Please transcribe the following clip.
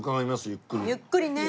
ゆっくりね。